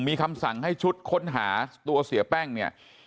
มีคำสั่งให้ชุดค้นหาตัวเสียแป้งเนี่ย